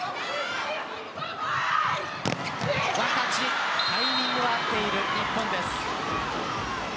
ワンタッチ、タイミングは合っていた日本です。